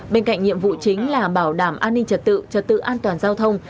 bên cạnh nhiệm vụ chính là bảo đảm an ninh trật tự trật tự an toàn giao thông